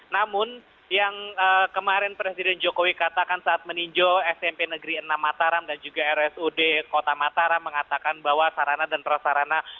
namun yang kemarin presiden jokowi katakan saat meninjau smp negeri enam mataram dan juga rsud kota mataram mengatakan bahwa sarana dan prasarana